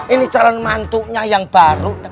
ini calon mantunya yang baru